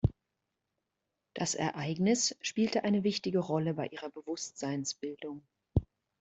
Das Ereignis spielte eine wichtige Rolle bei ihrer Bewusstseinsbildung.